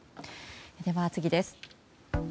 では次です。